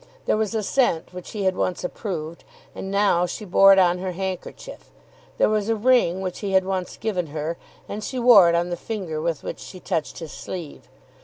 There was a scent which he had once approved, and now she bore it on her handkerchief. There was a ring which he had once given her, and she wore it on the finger with which she touched his sleeve.